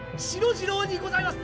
次郎にございます！